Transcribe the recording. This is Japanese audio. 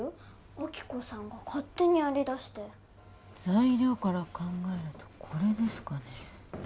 亜希子さんが勝手にやり出して材料から考えるとこれですかねえ